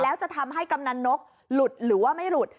แล้วจะทำให้กำนันนกหลุดหรือว่าไม่หลุด